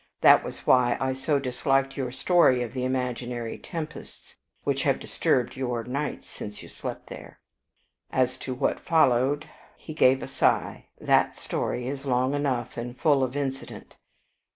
That was why I so disliked your story of the imaginary tempests which have disturbed your nights since you slept there. As to what followed," he gave a sigh, "that story is long enough and full of incident.